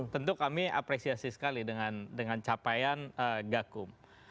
tentu kami apresiasi sekali dengan capaian gakum